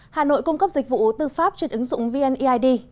hà nội cung cấp dịch vụ tư pháp trên ứng dụng vneid